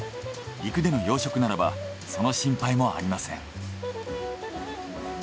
陸での養殖ならばその心配もありません。